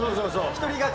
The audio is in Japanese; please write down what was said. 一人勝ち。